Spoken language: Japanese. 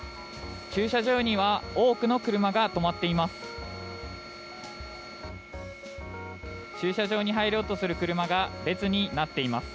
駐車場には多くの車が止まっています。